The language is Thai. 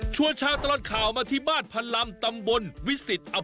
ชวนเช้าตลอดข่าวมาที่บ้านพันลำตำบลวิสิตอเภอมี